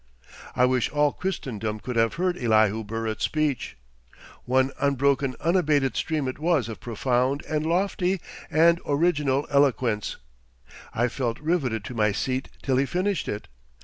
I wish all Christendom could have heard Elihu Burritt's speech. One unbroken, unabated stream it was of profound and lofty and original eloquence. I felt riveted to my seat till he finished it.